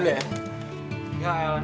nanti gue jalan